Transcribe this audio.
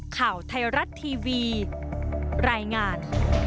ข่าวไทยรัฐทีวีรายงาน